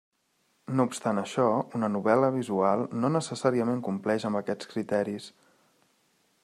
No obstant això, una novel·la visual no necessàriament compleix amb aquests criteris.